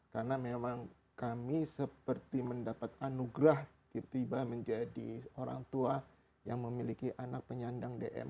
karena memang kami seperti mendapat anugerah tiba tiba menjadi orang tua yang memiliki anak penyandang dm